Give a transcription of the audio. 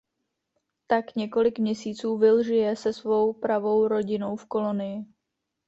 Tak několik měsíců Will žije se svou pravou rodinou v Kolonii.